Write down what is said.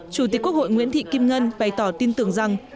chủ tịch quốc hội nguyễn thị kim ngân bày tỏ tin tưởng rằng